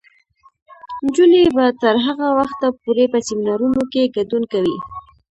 نجونې به تر هغه وخته پورې په سیمینارونو کې ګډون کوي.